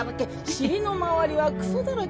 尻の周りはくそだらけ」